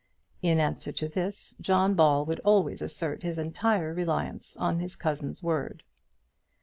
In answer to this John Ball would always assert his entire reliance on his cousin's word.